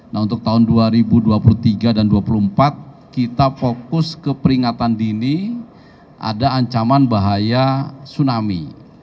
nah untuk tahun dua ribu dua puluh tiga dan dua ribu dua puluh empat kita fokus ke peringatan dini ada ancaman bahaya tsunami